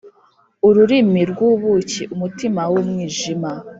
ururimi rwubuki, umutima wumwijima.